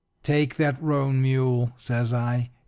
"'Take that roan mule,' says I.